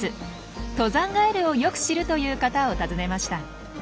登山ガエルをよく知るという方を訪ねました。